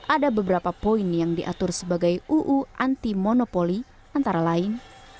ada beberapa poin yang diatur sebagai uu anti monopoli antara lain